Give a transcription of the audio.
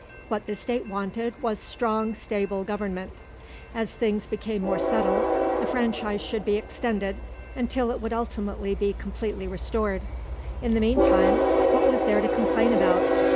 What the State wanted was strong stable government. As things became more settled the franchise should be extended until it would ultimately be completely restored. In the meanwhile, what was there to complain about?